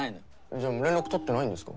じゃあもう連絡取ってないんですか？